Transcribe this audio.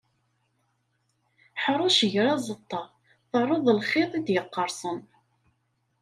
Ḥrec, ger aẓeṭṭa. Terreḍ lxiḍ i d-yeqqarsen.